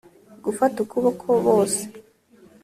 gufata ukuboko bose